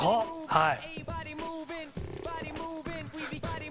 はい。